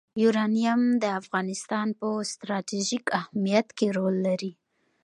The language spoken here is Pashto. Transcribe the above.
یورانیم د افغانستان په ستراتیژیک اهمیت کې رول لري.